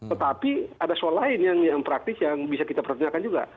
tetapi ada soal lain yang praktis yang bisa kita pertanyakan juga